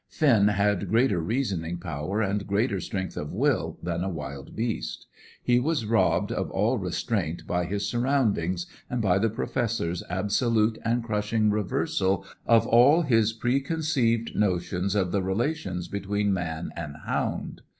Finn had greater reasoning power, and greater strength of will, than a wild beast. He was robbed of all restraint by his surroundings and by the Professor's absolute and crushing reversal of all his preconceived notions of the relations between man and hound.